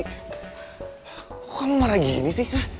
kok kamu marah gini